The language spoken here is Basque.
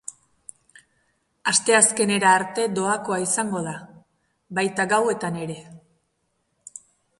Asteazkenera arte doakoa izango da, baita gauetan ere.